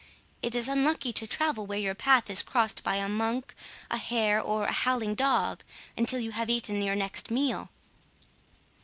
It is unlucky to travel where your path is crossed by a monk, a hare, or a howling dog, until you have eaten your next meal."